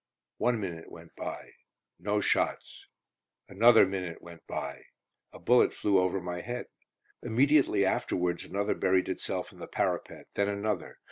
One minute went by; no shots! Another minute went by. A bullet flew over my head. Immediately afterwards another buried itself in the parapet, then another.